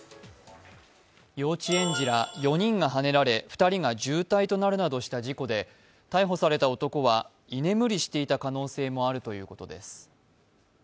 幼稚園児ら４人がはねられ２人が重体となるなどした事故で逮捕された男は居眠りしていた可能性もあるということです。